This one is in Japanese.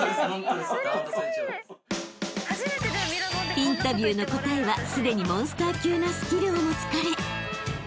［インタビューの答えはすでにモンスター級なスキルを持つ彼］